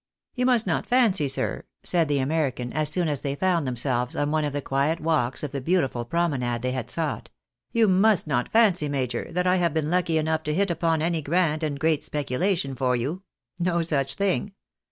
" You must not fancy, sir," said the American, as soon as they found themselves on one of the quiet walks of the beautiful prome nade they had sought, " you must not fancy, major, that I have been lucky enough to hit upon any grand and great speculation for you — no such thing.